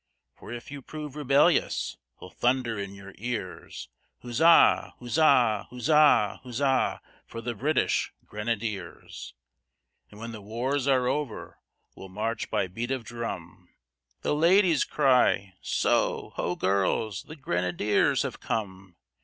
For if you prove rebellious, He'll thunder in your ears Huzza! Huzza! Huzza! Huzza! For the British Grenadiers! And when the wars are over, We'll march by beat of drum, The ladies cry "So, Ho girls, The Grenadiers have come!